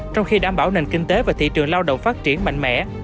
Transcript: trong khi đảm bảo nền kinh tế và thị trường lao động phát triển mạnh mẽ